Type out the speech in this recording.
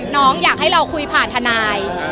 อยากให้เราคุยผ่านทนาย